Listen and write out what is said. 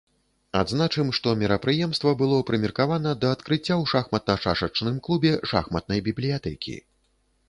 Адзначым, што мерапрыемства было прымеркавана да адкрыцця ў шахматна-шашачным клубе шахматнай бібліятэкі.